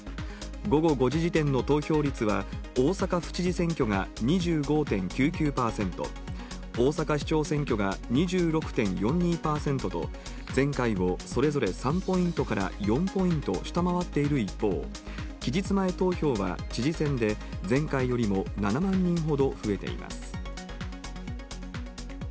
午後５時時点の投票率は大阪府知事選挙が２５．９９％、大阪市長選挙が２６．４２％と、前回をそれぞれ３ポイントから４ポイント下回っている一方、期日前投票は、知事選で前回よりも７万人ほど増えています。